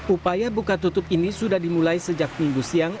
upaya buka tutup ini sudah dimulai sejak minggu siang